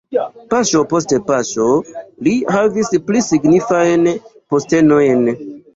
Paŝo post paŝo li havis pli signifajn postenojn.